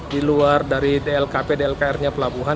di luar dari dlkp dlkr nya pelabuhan